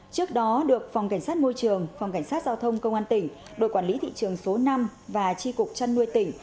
trước đó được phòng cảnh sát môi trường phòng cảnh sát giao thông công an tỉnh đội quản lý thị trường số năm và tri cục trăn nuôi tỉnh